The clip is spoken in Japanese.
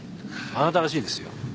あなたらしいですよ。